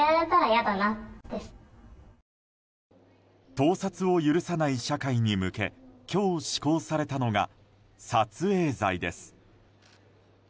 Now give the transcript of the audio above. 盗撮を許さない社会に向け今日施行されたのが撮影罪です。